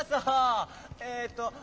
えっと